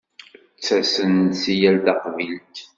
Ttasen-d si yal taqbilt.